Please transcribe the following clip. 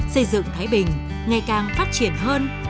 xây dựng thái bình ngày càng phát triển hơn